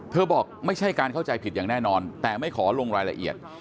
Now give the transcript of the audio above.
บอกไม่ใช่การเข้าใจผิดอย่างแน่นอนแต่ไม่ขอลงรายละเอียด